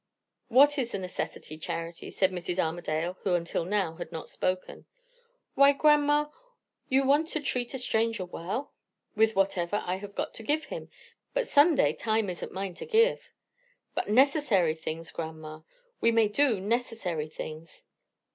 "What is the necessity, Charity?" said Mrs. Armadale, who until now had not spoken. "Why, grandma, you want to treat a stranger well?" "With whatever I have got to give him. But Sunday time isn't mine to give." "But necessary things, grandma? we may do necessary things?"